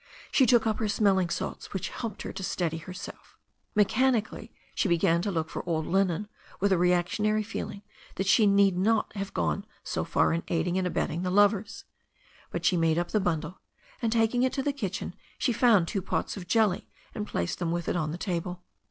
She took up her smelling salts, which helped her to steady her self. Mechanically she began to look for old linen, with a reactionary feeling that she need not have gone so far in aiding and abetting the lovers. But she made up a bundle, and taking it to the kitchen, she found two pots of jelly, and placed them with it on the table.